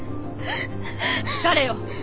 誰よ！